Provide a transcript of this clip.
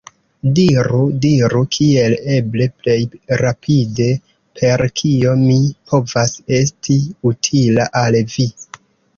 Diru, diru kiel eble plej rapide, per kio mi povas esti utila al vi!